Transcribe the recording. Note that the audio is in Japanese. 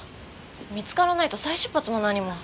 見つからないと再出発も何も。